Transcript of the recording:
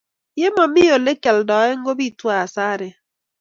ye mami ole kialdae ko bitu asaret